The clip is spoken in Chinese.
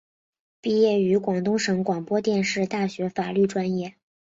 毕业于广东省广播电视大学法律专业。